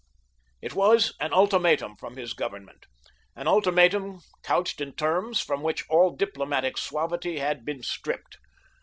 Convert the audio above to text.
It was an ultimatum from his government—an ultimatum couched in terms from which all diplomatic suavity had been stripped.